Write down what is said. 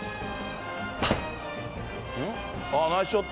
ナイスショット！